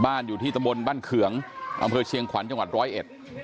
อยู่ที่ตะบนบ้านเขืองอำเภอเชียงขวัญจังหวัดร้อยเอ็ด